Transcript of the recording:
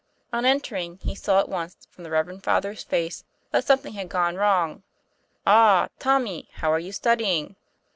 On entering, he saw at once from the reverend Father's face that something had gone wrong. "Ah! Tommy; how are you studying?"